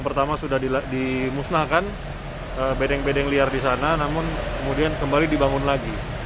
pertama sudah dimusnahkan bedeng bedeng liar di sana namun kemudian kembali dibangun lagi